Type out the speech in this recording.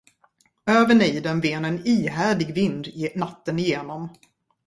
Över nejden ven en ihärdig vind natten igenom.